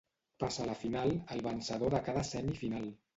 Passa a la final el vencedor de cada semifinal.